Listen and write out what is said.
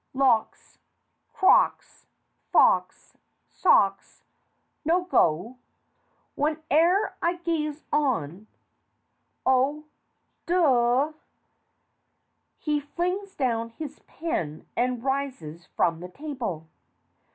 Locks, crocks, fox, socks. No go. "Whene'er I gaze on " Oh, d ! (He flings down his pen and rises from the table.)